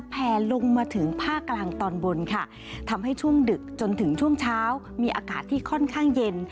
แผลลงมาถึงภาคกลางตอนบนค่ะทำให้ช่วงดึกจนถึงช่วงเช้ามีอากาศที่ค่อนข้างเย็น